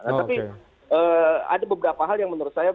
tetapi ada beberapa hal yang menurut saya